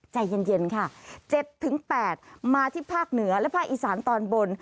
ใจเย็นค่ะ๗๘มาที่ภาคเหนือและภาคอีสานตอนบน